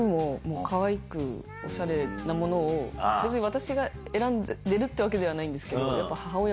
私が選んでるわけではないんですけど。